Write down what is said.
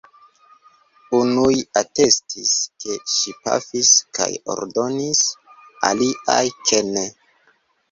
Unuj atestis, ke ŝi pafis kaj ordonis, aliaj, ke ne.